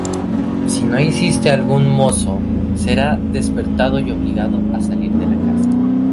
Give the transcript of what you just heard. Si no asiste algún mozo, será despertado y obligado a salir de la casa.